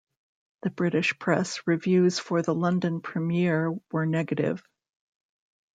The British press reviews for the London premiere were negative.